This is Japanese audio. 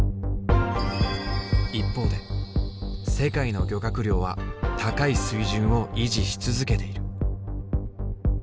一方で世界の漁獲量は高い水準を維持し続けている。